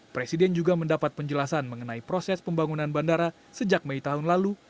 presiden juga mendapat penjelasan mengenai proses pembangunan bandara sejak mei tahun lalu